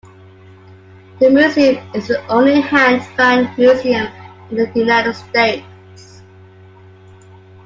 The museum is the only Hand Fan Museum in the United States.